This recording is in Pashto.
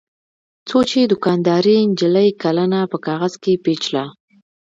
څو چې دوکاندارې نجلۍ کلنه په کاغذ کې پېچله.